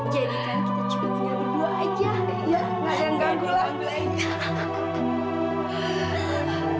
jadikan kita cukup tinggal berdua saja ya